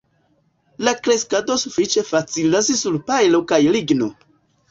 La kreskado sufiĉe facilas sur pajlo kaj ligno.